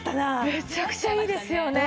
めちゃくちゃいいですよね。